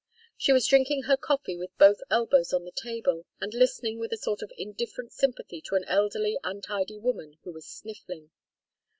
She was drinking her coffee with both elbows on the table and listening with a sort of indifferent sympathy to an elderly untidy woman who was sniffling.